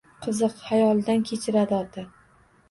Qiziq, – xayolidan kechiradi ota.